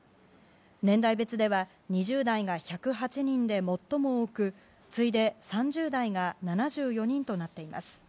年代別では２０代が１０８人で最も多く次いで３０代が７４人となっています。